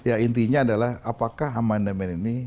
ya intinya adalah apakah amandemen ini